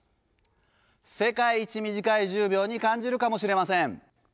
世界一短い１０秒に感じるかもしれません。